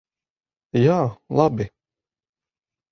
Jā, labi.